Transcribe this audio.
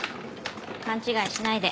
勘違いしないで。